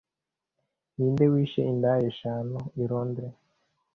Ninde Wishe Indaya eshanu I Londres